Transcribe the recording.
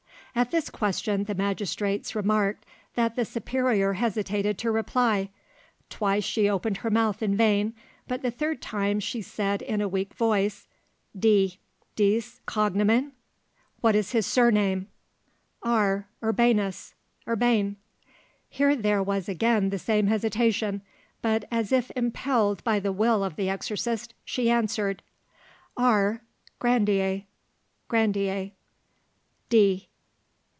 At this question the magistrates remarked that the superior hesitated to reply; twice she opened her mouth in vain, but the third time she said in a weak voice— D. Dic cognomen? What is his surname? R. Urbanus. Urbain. Here there was again the same hesitation, but as if impelled by the will of the exorcist she answered: R. Grandier. Grandier.